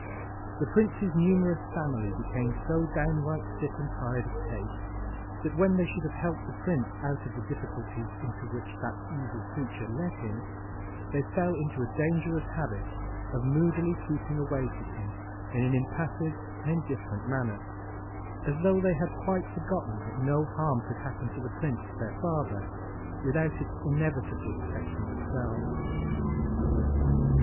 The Prince's numerous family became so downright sick and tired of Tape, that when they should have helped the Prince out of the difficulties into which that evil creature led him, they fell into a dangerous habit of moodily keeping away from him in an impassive and indifferent manner, as though they had quite forgotten that no harm could happen to the Prince their father, without its inevitably affecting themselves.